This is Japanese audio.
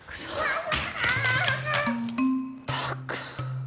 ったく。